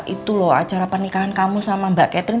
itu loh acara pernikahan kamu sama mbak catherine